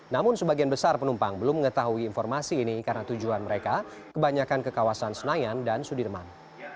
namun sebagian besar penumpang belum mengetahui informasi ini karena tujuan mereka kebanyakan ke kawasan senayan dan sudirman